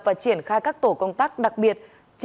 và triển khai các tổ công tác đặc biệt